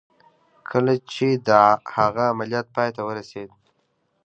کله چې د هغه عملیات پای ته ورسېد